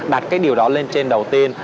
đặt cái điều đó lên trên đầu tiên